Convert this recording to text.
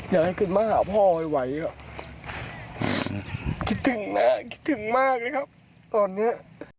อยากให้ขึ้นมาหาพ่อไวอ่ะคิดถึงแม่คิดถึงมากเลยครับตอนเนี้ย